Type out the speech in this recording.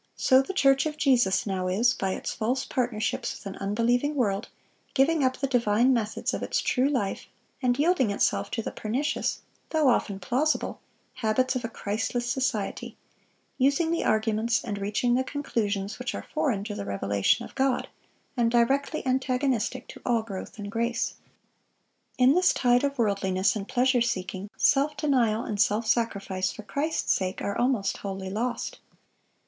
so the church of Jesus now is, by its false partnerships with an unbelieving world, giving up the divine methods of its true life, and yielding itself to the pernicious, though often plausible, habits of a Christless society, using the arguments and reaching the conclusions which are foreign to the revelation of God, and directly antagonistic to all growth in grace."(639) In this tide of worldliness and pleasure seeking, self denial and self sacrifice for Christ's sake are almost wholly lost.